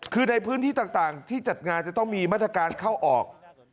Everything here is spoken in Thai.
คือในพื้นที่ต่างที่จัดงานจะต้องมีมาตรการเข้าออก